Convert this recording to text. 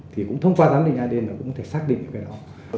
thì cũng thông qua giám định adn là cũng có thể xác định cái đó